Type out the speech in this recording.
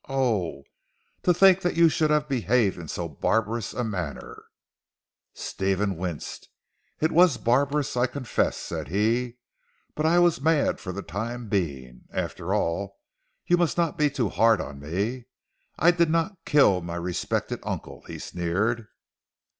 Oh! To think that you should have behaved in so barbarous a manner." Stephen winced. "It was barbarous I confess," said he, "but I was mad for the time being. After all you must not be too hard on me. I did not kill my respected uncle," he sneered.